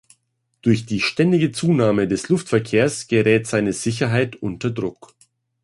Durch die ständige Zunahme des Luftverkehrs gerät seine Sicherheit unter Druck.